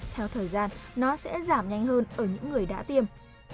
theo thời gian nó sẽ giảm nhanh hơn ở những người đã tiêm